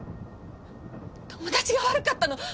友達が悪かったの。